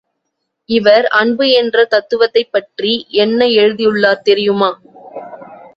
இவர், அன்பு என்ற தத்துவத்தைப் பற்றி என்ன எழுதியுள்ளார் தெரியுமா?